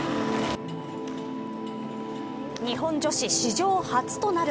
日本女子史上初となる